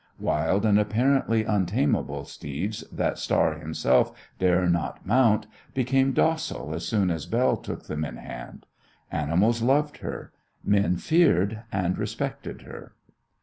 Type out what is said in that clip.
Wild and apparently untamable steeds that Star himself dare not mount became docile as soon as Belle took them in hand. Animals loved her; men feared and respected her.